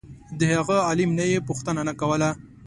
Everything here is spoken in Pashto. د هغه عالم نه یې پوښتنه نه کوله.